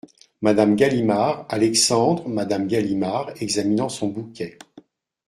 Madame Galimard, Alexandre Madame Galimard , examinant son bouquet.